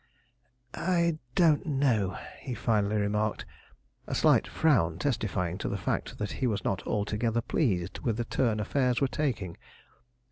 "I don't know," he finally remarked, a slight frown, testifying to the fact that he was not altogether pleased with the turn affairs were taking.